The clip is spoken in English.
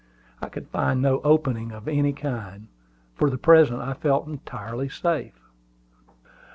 I could find no opening of any kind. For the present I felt entirely safe.